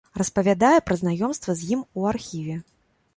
Распавядае пра знаёмства з ім у архіве.